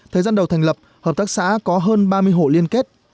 thời gian đầu thành lập hợp tác xã có hơn ba mươi hộ liên kết